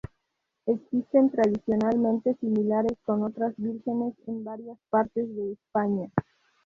Existen tradiciones similares con otras vírgenes en varias partes de España.